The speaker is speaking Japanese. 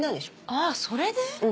あぁそれで？